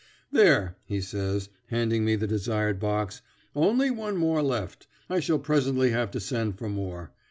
"There," he says, handing me the desired box. "Only one more left; I shall presently have to send for more.